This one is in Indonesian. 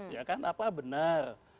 ya kan apa benar